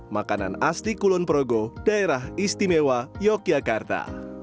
makanan asli kulon progo daerah istimewa yogyakarta